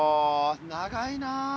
長いな。